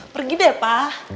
pergi deh pa